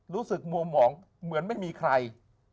รู้สึกมัวหมองเหมือนไม่มีใคร